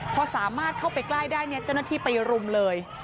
พอสามารถเข้าไปใกล้ได้เนี่ยเจ้าหน้าที่ไปรุมเลย